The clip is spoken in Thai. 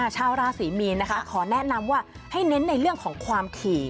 ชาวราศรีมีนนะคะขอแนะนำว่าให้เน้นในเรื่องของความถี่